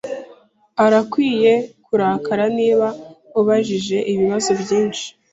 Arakwiye kurakara niba ubajije ibibazo byinshi.